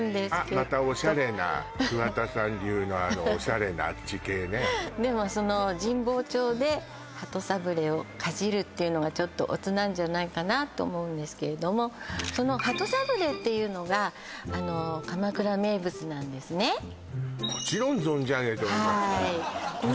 またオシャレな桑田さん流のあのオシャレなあっち系ねでもその神保町で鳩サブレーをかじるっていうのがちょっとおつなんじゃないかなと思うんですけれどもその鳩サブレーっていうのがあの鎌倉名物なんですねもちろん存じあげております